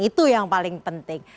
itu yang paling penting